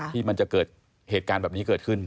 ที่มันจะเกิดเหตุการณ์แบบนี้เกิดขึ้น